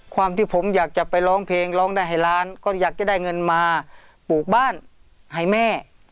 ความที่ผมอยากจะไปร้องเพลงร้องได้ให้ล้านก็อยากจะได้เงินมาปลูกบ้านให้แม่